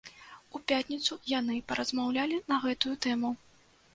У пятніцу яны паразмаўлялі на гэтую тэму.